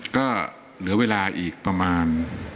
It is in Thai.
ก็เหลือเวลาอีกประมาณ